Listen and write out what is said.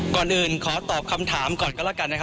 ก่อนอื่นขอตอบคำถามก่อนก็แล้วกันนะครับ